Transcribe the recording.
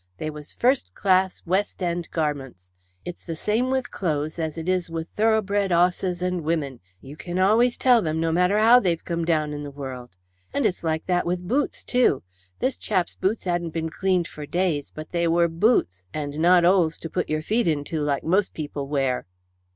They was first class West End garments. It's the same with clothes as it is with thoroughbred hosses and women you can always tell them, no matter how they've come down in the world. And it's like that with boots too. This chap's boots hadn't been cleaned for days, but they were boots, and not holes to put your feet into, like most people wear."